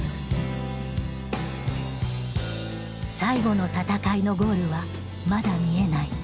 最後の闘いのゴールはまだ見えない。